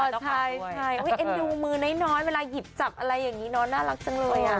อ๋อใช่ดูมือน้อยเวลาหยิบจับอะไรอย่างนี้น้องน่ารักจังเลยอ่ะ